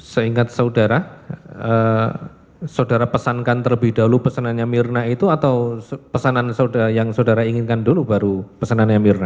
seingat saudara saudara pesankan terlebih dahulu pesanannya mirna itu atau pesanan yang saudara inginkan dulu baru pesanannya mirna